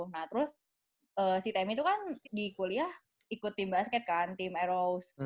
nah terus si temi tuh kan di kuliah ikut tim basket kan tim eros